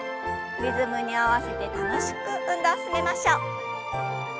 リズムに合わせて楽しく運動を進めましょう。